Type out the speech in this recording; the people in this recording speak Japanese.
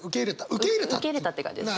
受け入れたって感じですね。